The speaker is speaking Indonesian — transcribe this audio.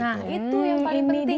nah itu yang paling leading